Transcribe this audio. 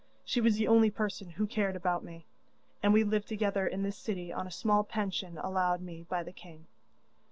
She was the only person who cared about me, and we lived together in this city on a small pension allowed me by the king.